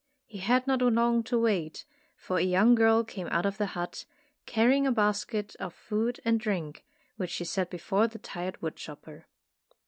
He had not long to wait, for a young girl came out of the hut, carrying a basket of food and drink, which she set before the tired woodchopper.